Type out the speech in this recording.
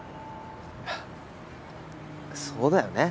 そうだよね。